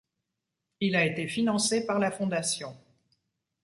Il a été financé par la fondation.